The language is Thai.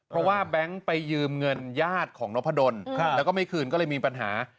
เพราะว่าแบงค์ไปยืมเงินญาติของนพดลแล้วก็ไม่คืนก็เลยมีปัญหา